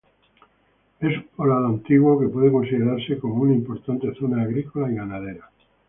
Es un poblado antiguo que puede considerarse como una importante zona agrícola y ganadera.